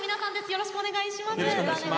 よろしくお願いします。